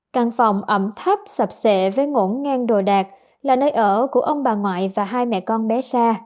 căn phòng ẩm thấp sập sệ với ngỗ ngang đồ đạc là nơi ở của ông bà ngoại và hai mẹ con bé xa